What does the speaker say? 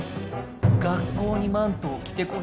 学校にマントを着てこない。